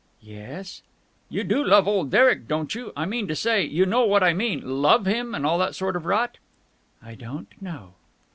"Yes?" "You do love old Derek, don't you? I mean to say, you know what I mean, love him and all that sort of rot?" "I don't know!"